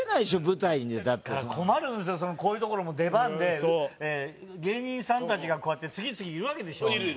舞台にだってさ困るんすよこういうところも出番で芸人さん達がこうやって次々いるわけでしょいる